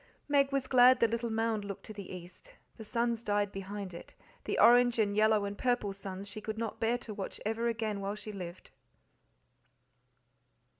Meg was glad the little mound looked to the east; the suns died behind it the orange and yellow and purple suns she could not bear to watch ever again while she lived.